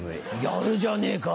やるじゃねえか。